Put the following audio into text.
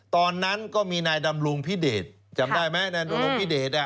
ตอนนั้นก็มีนายดำรุงพิเดชจำได้ไหมนายดำรงพิเดช